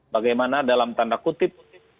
bagaimana dalam tanda kutip